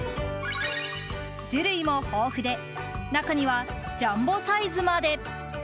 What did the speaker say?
種類も豊富で中にはジャンボサイズまで。